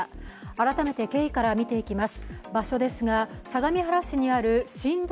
改めて経緯から見ていきます。